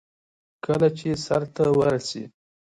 غیر مترقبه پیښې او تحصیل هم لاملونه دي.